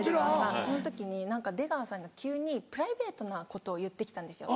その時に出川さんが急にプライベートなことを言って来たんですよ